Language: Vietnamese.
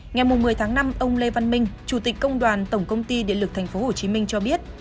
ngày một mươi tháng năm ông lê văn minh chủ tịch công đoàn tổng công ty điện lực tp hcm cho biết